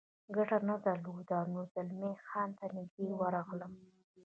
ګټه نه درلوده، نو زلمی خان ته نږدې ورغلم.